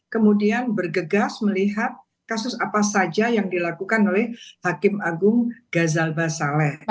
kemudian bergegas melihat kasus apa saja yang dilakukan oleh hakim agung gazal basaleh